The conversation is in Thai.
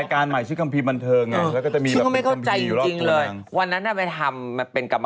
คุณตายมาค่ะ